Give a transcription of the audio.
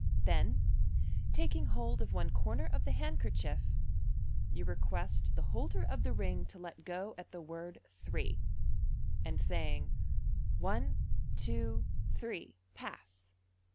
Then, taking hold of one corner of the handkerchief, you request the holder of the ring to let go at the word " Three," and saying, u One, two, three — Pass